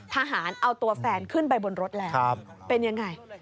ทหารเอาตัวแฟนขึ้นไปบนรถแล้วเป็นยังไง